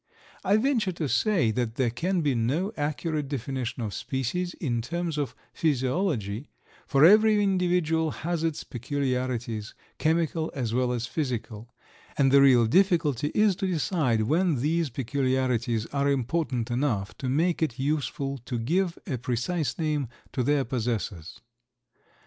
I venture to say that there can be no accurate definition of species in terms of physiology, for every individual has its peculiarities, chemical as well as physical, and the real difficulty is to decide when these peculiarities are important enough to make it useful to give a precise name to their possessors.